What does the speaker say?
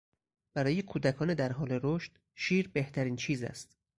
برای کودکان در حال رشد شیر بهترین چیز است.